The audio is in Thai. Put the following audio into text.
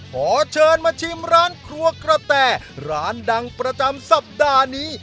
ขอเชิญมาชิมร้านครัวกระแต่ร้านดังประจำสัปดาห์นี้